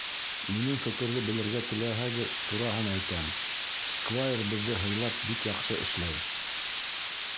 Минең фекерҙе белергә теләһәгеҙ, тураһын әйтәм: сквайр беҙҙе һыйлап бик яҡшы эшләй.